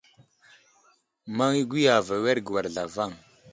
Maŋ gwiyave awerge war zlavaŋ.